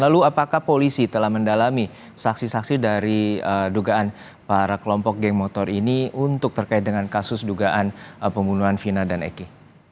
lalu apakah polisi telah mendalami saksi saksi dari dugaan para kelompok geng motor ini untuk terkait dengan kasus dugaan pembunuhan vina dan eki